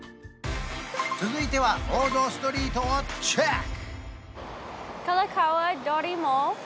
続いては王道ストリートをチェック！